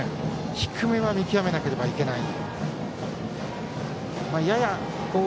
低めは見極めなければいけない。